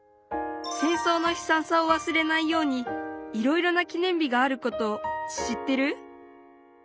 戦争のひさんさをわすれないようにいろいろな記念日があることを知ってる？